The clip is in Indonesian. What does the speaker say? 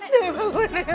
dewi bangun nek